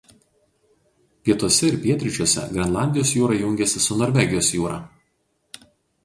Pietuose ir pietryčiuose Grenlandijos jūra jungiasi su Norvegijos jūra.